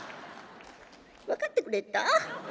分かってくれた？